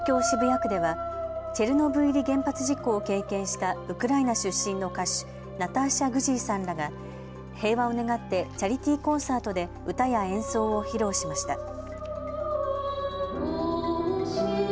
渋谷区ではチェルノブイリ原発事故を経験したウクライナ出身の歌手、ナターシャ・グジーさんらが平和を願ってチャリティーコンサートで歌や演奏を披露しました。